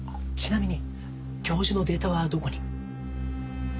ちなみに教授のデータはどこに？